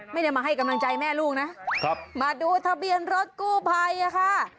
ไม่ได้มาให้กำลังใจแม่ลูกนะครับมาดูทะเบียนรถกู้ภัยอะค่ะ